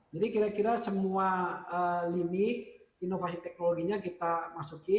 jadi kira kira semua lini inovasi teknologinya kita masuki